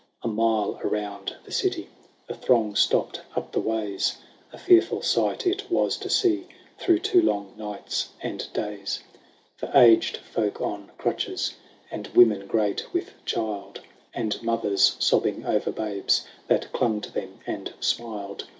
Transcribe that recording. A mile around the city, The throng stopped up the ways ; A fearful sight it was to see Through two long nights and days. ]\ a\ 50 LAYS OF ANCIENT ROME. XIV. For aged folk on cratches. And women great with child. And mothers sobbing over babes That clung to them and smiled.